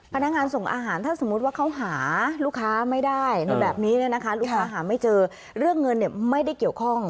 พนักงานส่งอาหารถ้าสมมุติว่าเขาหาลูกค้าไม่ได้ในแบบนี้เนี่ยนะคะลูกค้าหาไม่เจอเรื่องเงินเนี่ยไม่ได้เกี่ยวข้อง